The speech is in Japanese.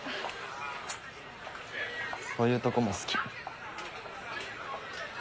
そういうとこも好き。